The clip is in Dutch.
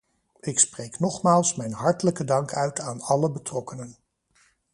Ik spreek nogmaals mijn hartelijke dank uit aan alle betrokkenen.